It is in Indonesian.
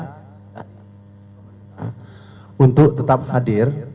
kita tahu transvasasi ini merupakan suatu kebutuhan mendasar di masyarakat